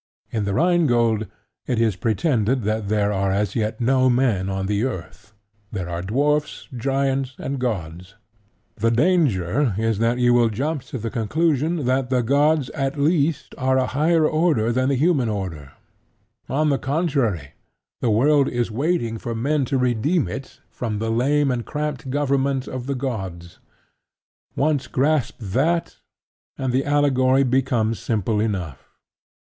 In The Rhine Gold, it is pretended that there are as yet no men on the earth. There are dwarfs, giants, and gods. The danger is that you will jump to the conclusion that the gods, at least, are a higher order than the human order. On the contrary, the world is waiting for Man to redeem it from the lame and cramped government of the gods. Once grasp that; and the allegory becomes simple enough.